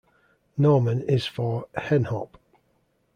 Norman is for "Hen Hop".